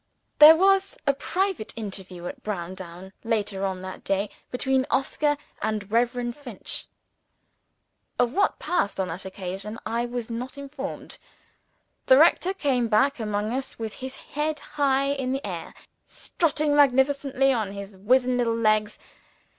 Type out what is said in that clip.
There was a private interview at Browndown, later on that day, between Oscar and Reverend Finch. Of what passed on that occasion, I was not informed. The rector came back among us with his head high in the air, strutting magnificently on his wizen little legs.